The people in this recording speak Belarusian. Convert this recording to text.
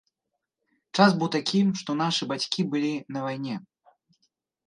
Час быў такі, што нашы бацькі былі на вайне.